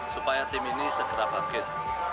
supaya tim ini segera bangkit